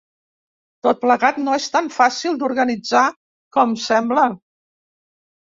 Tot plegat no és tan fàcil d’organitzar com sembla.